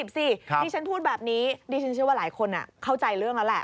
นี่ฉันพูดแบบนี้ดิฉันเชื่อว่าหลายคนเข้าใจเรื่องแล้วแหละ